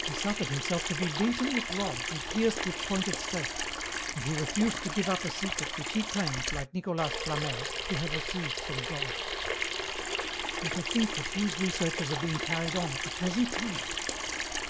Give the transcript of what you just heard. He suffered himself to be beaten with rods and pierced with pointed stakes, and he refused to give up a secret which he claimed, like Nicolas Flamel, to have received from God. "And to think that these researches are being carried on at the present time!